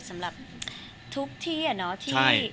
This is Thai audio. สำหรับทุกที่อะเนาะ